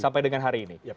sampai dengan hari ini